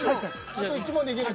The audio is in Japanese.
あと１問でいける。